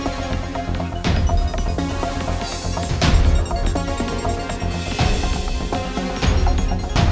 mbak andin mau ke panti